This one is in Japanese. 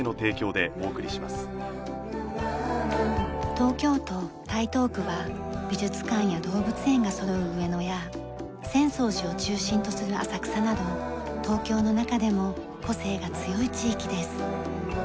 東京都台東区は美術館や動物園がそろう上野や浅草寺を中心とする浅草など東京の中でも個性が強い地域です。